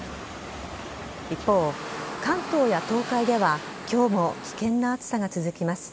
一方、関東や東海では今日も危険な暑さが続きます。